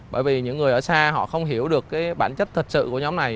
bởi vì những người ở xa không hiểu được bản chất thật sự của nhóm này